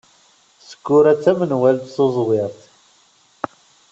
Sekkura d tamenwalt tuẓwirt.